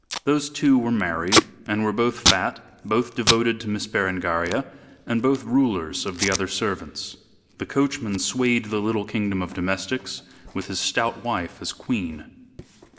Those two were married and were both fat, both devoted to Miss Berengaria, and both rulers of the other servants. The coachman swayed the little kingdom of domestics with his stout wife as queen.